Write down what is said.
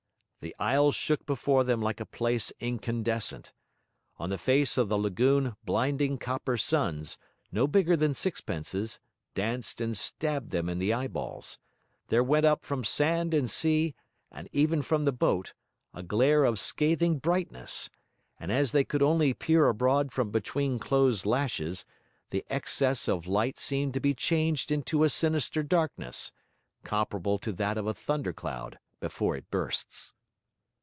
The isle shook before them like a place incandescent; on the face of the lagoon blinding copper suns, no bigger than sixpences, danced and stabbed them in the eyeballs; there went up from sand and sea, and even from the boat, a glare of scathing brightness; and as they could only peer abroad from between closed lashes, the excess of light seemed to be changed into a sinister darkness, comparable to that of a thundercloud before it bursts.